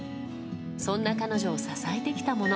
そんな彼女を支えてきたもの。